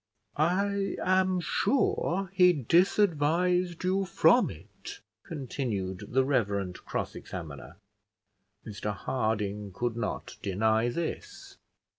"I am sure he disadvised you from it," continued the reverend cross examiner. Mr Harding could not deny this.